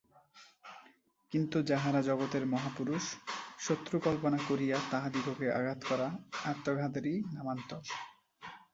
কিন্তু যাঁহারা জগতের মহাপুরুষ, শত্রু কল্পনা করিয়া তাঁহাদিগকে আঘাত করা আত্মঘাতেরই নামান্তর।